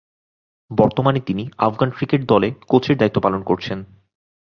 বর্তমানে তিনি Afghan cricket দলে কোচের দায়িত্ব পালন করছেন।